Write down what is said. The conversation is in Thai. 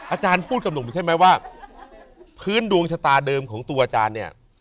อาจารย์พูดกับหนุ่มใช่ไหมว่าพื้นดวงชะตาเดิมของตัวอาจารย์เนี่ย